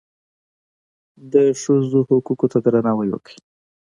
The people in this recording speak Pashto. د ښځو حقوقو ته درناوی وکړئ